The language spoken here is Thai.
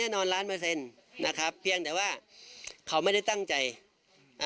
อ่ะดูช่วงที่หมอเอกเพ่งกระแสจิตค่ะ